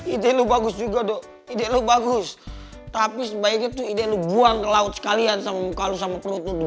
ide lo bagus juga dok ide lo bagus tapi sebaiknya tuh ide lo buang ke laut sekalian sama muka lu sama perut lo